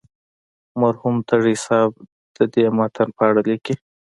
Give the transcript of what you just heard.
مرحوم تږی صاحب د دې متن په اړه لیکي.